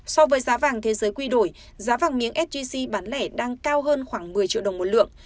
so với giá vàng thế giới quy đổi giá vàng miếng sgc bán lẻ đang cao hơn khoảng một mươi triệu đồng một lượng